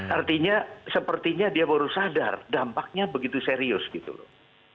artinya sepertinya dia baru sadar dampaknya begitu serius gitu loh